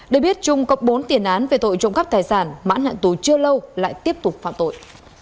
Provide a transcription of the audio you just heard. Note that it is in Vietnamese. để biết trung có bốn tiền án về tội trộm cắp tài sản mãn hạn tù chưa lâu lại tiếp tục phạm tội